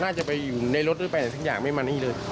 น่าจะไปอยู่ในรถหรือไปอะไรสักอย่างไม่มานี่เลย